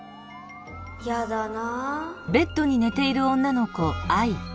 やだな。